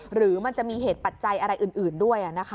หรือมันจะมีเหตุปัจจัยอะไรอื่นด้วย